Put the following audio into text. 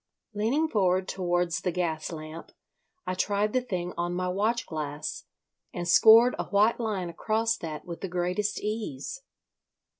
Leaning forward towards the gas lamp, I tried the thing on my watch glass, and scored a white line across that with the greatest ease.